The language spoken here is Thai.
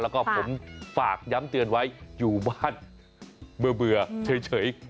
แล้วก็ผมฝากย้ำเตือนไว้อยู่บ้านเบื่อเฉย